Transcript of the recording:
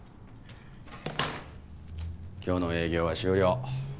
今日の営業は終了。